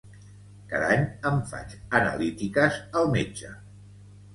Cada any, em faig analítiques al metge.